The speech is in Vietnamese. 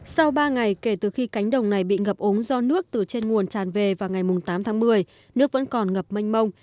sau ba ngày kể từ khi cánh đồng này bị ngập ống do nước từ trên nguồn tràn về vào ngày tám tháng một mươi nước vẫn còn ngập manh mông